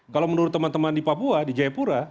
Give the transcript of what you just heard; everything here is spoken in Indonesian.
kalau menurut teman teman di papua di jayapura